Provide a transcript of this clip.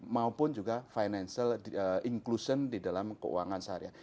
maupun juga financial inclusion di dalam keuangan syariah